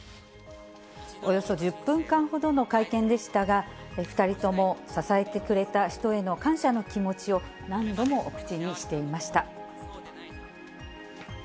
およそ１０分間ほどの会見でしたが、２人とも支えてくれた人への感謝の気持ちを何度も口にしていました。